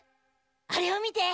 あれを見て。